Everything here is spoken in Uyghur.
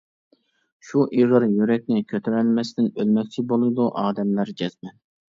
شۇ ئېغىر يۈرەكنى كۆتۈرەلمەستىن ئۆلمەكچى بولىدۇ ئادەملەر جەزمەن.